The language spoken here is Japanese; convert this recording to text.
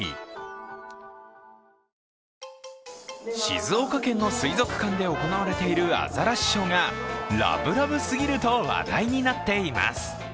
静岡県の水族館で行われているアザラシショーがラブラブすぎると話題になっています。